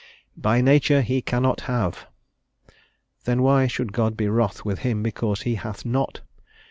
"By nature he cannot have." Then why should God be wrath with him because he hath not?